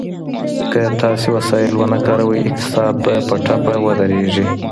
که تاسي وسايل ونه کاروئ، اقتصاد به په ټپه ودرېږي.